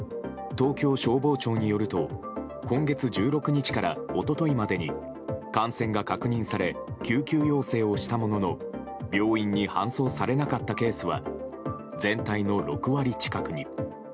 東京消防庁によると今月１６日から一昨日までに感染が確認され救急要請をしたものの病院に搬送されなかったケースは全体の６割近くに。